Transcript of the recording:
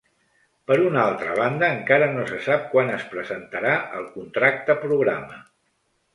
Per una altra banda, encara no se sap quan es presentarà el contracte programa.